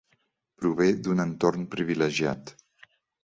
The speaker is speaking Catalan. Prové d'un entorn privilegiat.